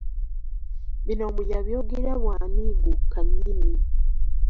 Bino mbu yabyogera bw'anigguuka nnyini.